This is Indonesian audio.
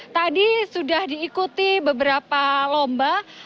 tadi sudah diikuti beberapa lomba